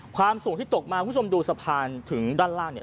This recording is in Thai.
ความสูงที่ตกมาคุณผู้ชมดูสะพานถึงด้านล่างเนี่ย